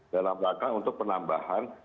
dalam rangka untuk penambahan